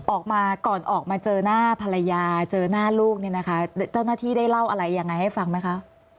ออกมาก่อนออกมาเจอหน้าภรรยาเจอหน้าลูกเนี่ยนะคะเจ้าหน้าที่ได้เล่าอะไรยังไงให้ฟังไหมคะ